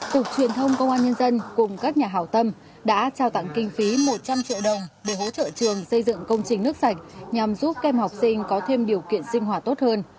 cục truyền thông công an nhân dân cùng các nhà hào tâm đã trao tặng kinh phí một trăm linh triệu đồng để hỗ trợ trường xây dựng công trình nước sạch nhằm giúp kem học sinh có thêm điều kiện sinh hoạt tốt hơn